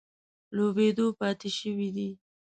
لوبېدو پاتې شوي دي.